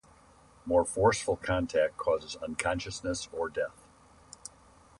More forceful contact causes unconsciousness or death.